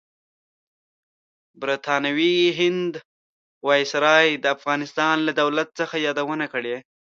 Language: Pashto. برطانوي هند وایسرای د افغانستان لۀ دولت څخه یادونه کړې.